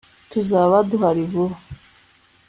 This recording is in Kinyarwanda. tuzaba duhari vuba